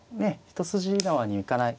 一筋縄にはいかない